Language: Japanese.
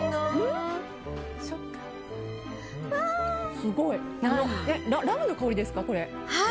すごい、ラムの香りですかはい。